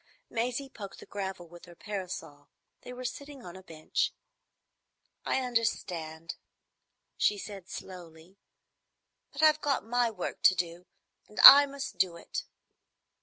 Maisie poked the gravel with her parasol. They were sitting on a bench. "I understand," she said slowly. "But I've got my work to do, and I must do it."